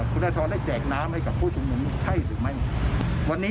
คุณขณะตอนได้แจกน้ำให้ผู้ชมนุมใช่หรือไม่